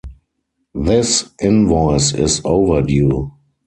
This invoice is overdue.